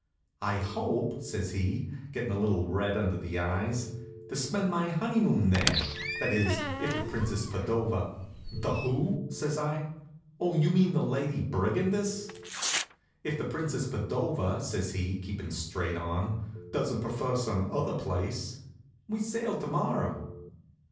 "I hope," says he, gettin' a little red under the eyes, "to spend my honeymoon there; that is, if the Princess Padova " "The who?" says I. "Oh, you mean the lady brigandess?" "If the Princess Padova," says he, keepin' straight on, "doesn't prefer some other place. We sail to morrow."